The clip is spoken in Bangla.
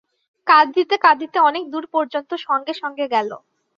কাঁদিতে কাঁদিতে অনেক দূর পর্যন্ত সঙ্গে সঙ্গে গেল।